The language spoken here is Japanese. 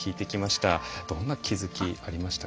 どんな気付きがありましたか。